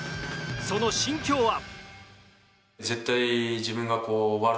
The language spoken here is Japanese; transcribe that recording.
その心境は？